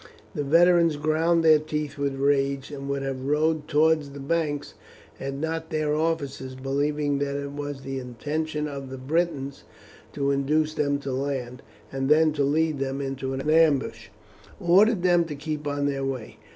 The veterans ground their teeth with rage, and would have rowed towards the banks had not their officers, believing that it was the intention of the Britons to induce them to land, and then to lead them into an ambush, ordered them to keep on their way.